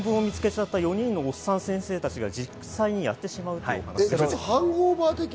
４人のおっさん先生たちが実際にやってしまうという話です。